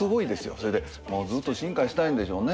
それでもうずっと進化したいんでしょうね